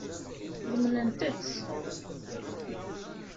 Ḍemnent-tt.